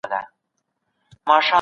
تيارې به ورکې سي او رڼا به راشي.